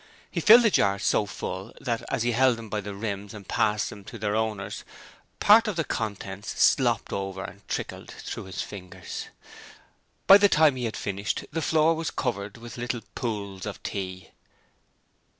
He filled the jars so full that as he held them by the rims and passed them to their owners part of the contents slopped over and trickled through his fingers. By the time he had finished the floor was covered with little pools of tea.